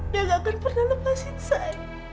dia gak akan pernah lepasin saya